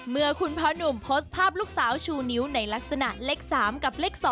เมื่อคุณพ่อหนุ่มโพสต์ภาพลูกสาวชูนิ้วในลักษณะเลข๓กับเลข๒